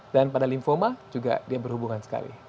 dan pada lymphoma juga dia berhubungan sekali